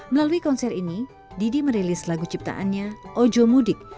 melalui konser ini didi merilis lagu ciptaannya ojo mudik